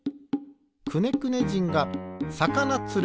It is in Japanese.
くねくね人がさかなつる。